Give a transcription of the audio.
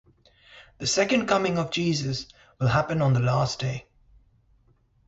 The second coming of Jesus will happen on the last day.